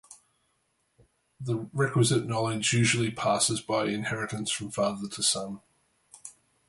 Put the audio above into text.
The requisite knowledge usually passes by inheritance from father to son.